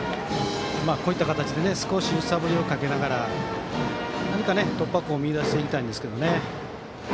こういった形で少し揺さぶりをかけながら何か突破口を見いだしていきたいんですけどね。